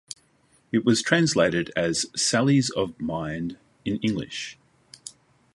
It was translated as "Sallies of Mind" in English.